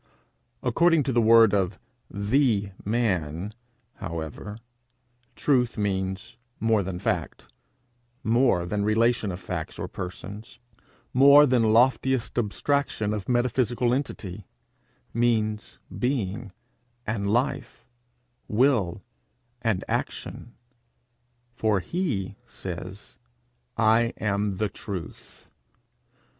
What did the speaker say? According to the word of the man, however, truth means more than fact, more than relation of facts or persons, more than loftiest abstraction of metaphysical entity means being and life, will and action; for he says, 'I am the truth.'